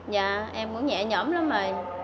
dạ em cũng nhẹ nhõm lắm rồi